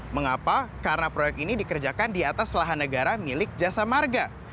mengapa karena proyek ini dikerjakan di atas lahan negara milik jasa marga